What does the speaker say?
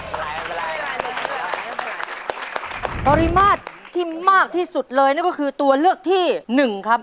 โตริมาตรที่มากที่สุดเลยนะก็คือตัวเลือกที่๑ครับ